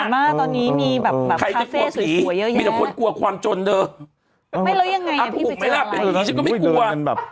ฟังลูกครับ